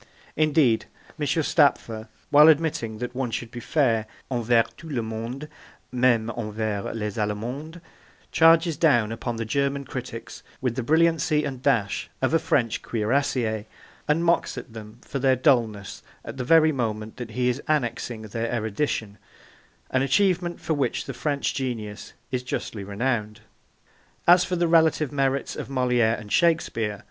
Indeed, M. Stapfer, while admitting that one should be fair 'envers tout le monde, meme envers les Allemands,' charges down upon the German critics with the brilliancy and dash of a French cuirassier, and mocks at them for their dulness, at the very moment that he is annexing their erudition, an achievement for which the French genius is justly renowned. As for the relative merits of Moliere and Shakespeare, M.